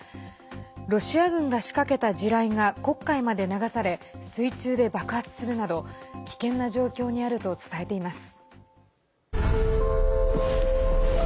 ロシア軍が仕掛けた地雷が黒海まで流され水中で爆発するなど危険な状況にあると伝えています。